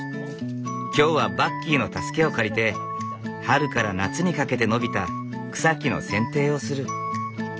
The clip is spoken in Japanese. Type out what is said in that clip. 今日はバッキーの助けを借りて春から夏にかけて伸びた草木の剪定をする。